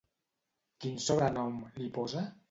Quin sobrenom li posa?